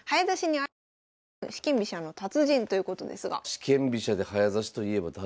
四間飛車で早指しといえば誰？